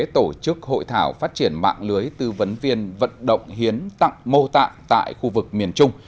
tổ chức hội thảo phát triển mạng lưới tư vấn viên vận động hiến tặng mô tạng tại khu vực miền trung